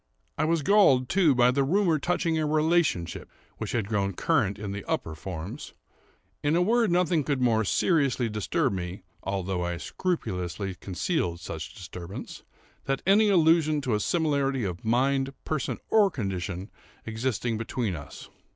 I was galled, too, by the rumor touching a relationship, which had grown current in the upper forms. In a word, nothing could more seriously disturb me, (although I scrupulously concealed such disturbance,) than any allusion to a similarity of mind, person, or condition existing between us.